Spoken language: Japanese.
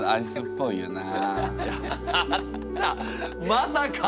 まさか！